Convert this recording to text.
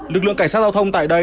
lực lượng cảnh sát giao thông tại đây